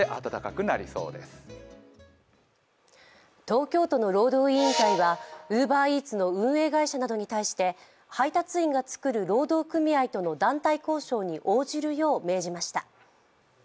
東京都の労働委員会はウーバーイーツの運営会社などに対して配達員が作る労働組合との団体交渉に応じるよう命じました。